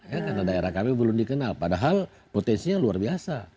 ya karena daerah kami belum dikenal padahal potensinya luar biasa